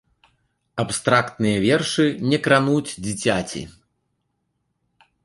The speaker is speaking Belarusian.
Абстрактныя вершы не крануць дзіцяці.